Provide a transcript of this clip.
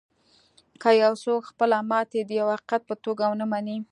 که یو څوک خپله ماتې د یوه حقیقت په توګه و نهمني